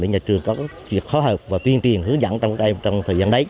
để nhà trường có việc hóa hợp và tuyên truyền hướng dẫn các em trong thời gian đấy